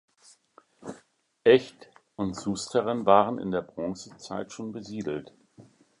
Echt und Susteren waren in der Bronzezeit schon besiedelt.